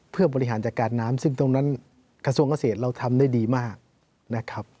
เพื่อบริหารจัดการน้ำซึ่งตรงนั้นกระทรวงเกษตรเราทำได้ดีมากนะครับ